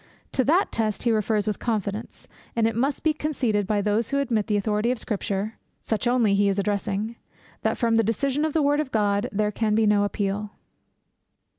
To that test he refers with confidence; and it must be conceded by those who admit the authority of Scripture (such only he is addressing) that from the decision of the word of God there can be no appeal.